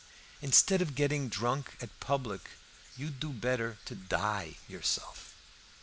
Instead of getting drunk at the public, you'd do better to die yourself."